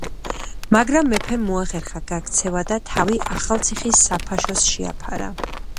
მაგრამ მეფემ მოახერხა გაქცევა და თავი ახალციხის საფაშოს შეაფარა.